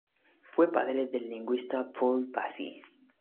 Fue padre del lingüista Paul Passy.